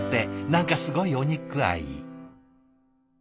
何かすごいお肉愛。